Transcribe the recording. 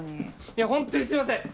いやホントにすいません！